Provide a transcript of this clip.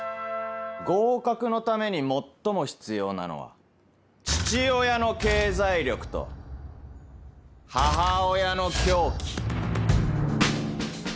合格のために最も必要なのは父親の経済力と母親の狂気。